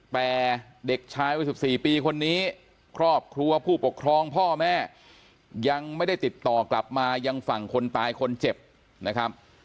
แต่เด็กชายวัย๑๔ปีคนนี้ครอบครัวผู้ปกครองพ่อแม่ยังไม่ได้ติดต่อกลับมายังฝั่งคนตายคนเจ็บนะครับ